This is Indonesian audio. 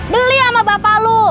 beli sama bapak lu